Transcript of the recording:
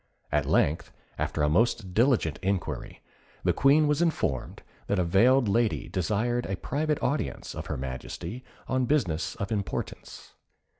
At length, after a most diligent inquiry, the Queen was informed that a veiled lady desired a private audience of her Majesty, on business of importance.